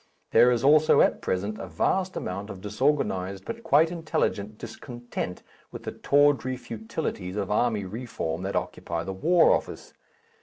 There is also at present a vast amount of disorganized but quite intelligent discontent with the tawdry futilities of army reform that occupy the War Office.